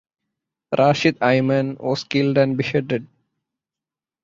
Rashid Ayman was killed and beheaded.